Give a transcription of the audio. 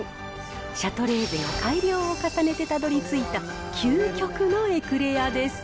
シャトレーゼが改良を重ねてたどりついた究極のエクレアです。